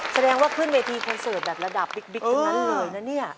แสดงว่าขึ้นเวทีแบบราดับบิ๊กนั้นเลยนะเนี่ย